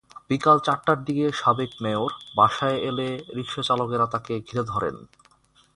বিকেল চারটার দিকে সাবেক মেয়র বাসায় এলে রিকশাচালকেরা তাঁকে ঘিরে ধরেন।